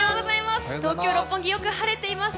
東京・六本木よく晴れています。